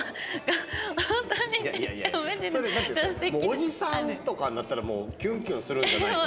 おじさんとかになったらもうキュンキュンするんじゃないの？